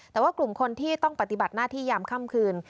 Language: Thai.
แต่ว่ากลุ่มคนที่ต้องปฏิบัติหน้าที่ยามค่ำคืน